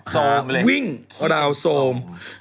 โซมเลยวิ่งราวโซม